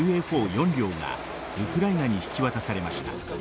、４両がウクライナに引き渡されました。